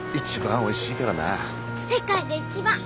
世界で一番！